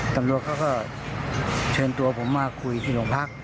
ตำรวจเขาก็เชิญตัวผมมาคุยที่โรงพัก